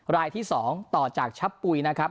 รายที่๒ต่อจากชะปุ๋ยนะครับ